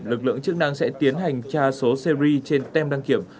lực lượng chức năng sẽ tiến hành tra số series trên tem đăng kiểm